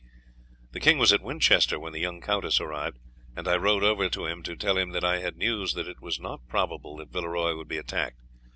"He was at Winchester when the young countess arrived, and I rode over to him to tell him that I had news that it was not probable that Villeroy would be attacked.